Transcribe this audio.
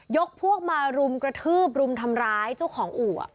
พวกมารุมกระทืบรุมทำร้ายเจ้าของอู่